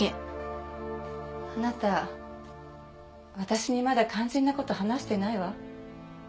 あなた私にまだ肝心な事話してないわ。